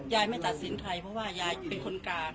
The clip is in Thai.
ไม่ตัดสินใครเพราะว่ายายเป็นคนกลาง